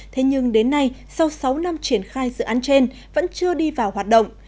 thế nhưng đến nay sau sáu năm triển khai dự án trên vẫn chưa đi vào hoạt động